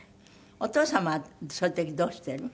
お父様はそういう時どうしてるの？